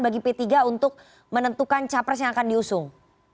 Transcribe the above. bagi p tiga untuk menentukan capres yang akan diusung